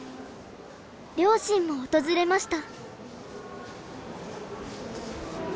両親も訪れました。